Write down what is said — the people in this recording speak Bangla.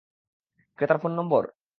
ক্রেতার ফোন নম্বর?